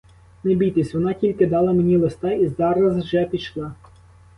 Не бійтесь, вона тільки дала мені листа і зараз же пішла.